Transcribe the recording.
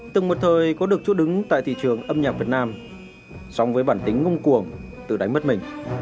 từng một thời có được chỗ đứng tại thị trường âm nhạc việt nam song với bản tính ngông cuồng từ đánh mất mình